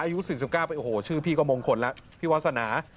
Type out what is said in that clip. อายุ๔๙ไปโอ้โหชื่อพี่ก็มงคลแล้วพี่วาสนา